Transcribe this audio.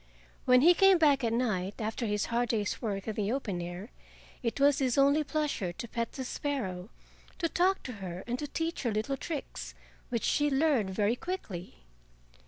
When he came back at night after his hard day's work in the open air it was his only pleasure to pet the sparrow, to talk to her and to teach her little tricks, which she learned very quickly.